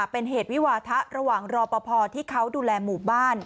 เป็นเหตุวิวาทะระหว่างรอปภที่เขาดูแลหมู่บ้าน